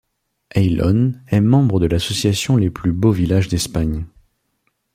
Ayllón est membre de l'association Les Plus Beaux Villages d'Espagne.